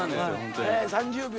３０秒。